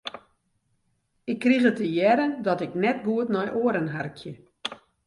Ik krige te hearren dat ik net goed nei oaren harkje.